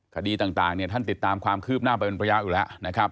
คดีต่างเนี่ยท่านติดตามความคืบหน้าไปเป็นระยะอยู่แล้วนะครับ